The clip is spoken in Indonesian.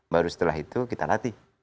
baru setelah itu kita latih